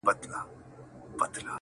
د وصال شېبه!!